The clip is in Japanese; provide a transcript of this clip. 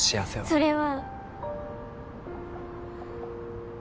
それは。